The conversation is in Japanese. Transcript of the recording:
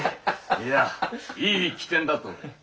いやいい機転だったぜ。